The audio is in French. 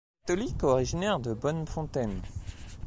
Catholique, originaire de Bonnefontaine.